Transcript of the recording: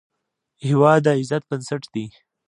هېواد د عزت بنسټ دی.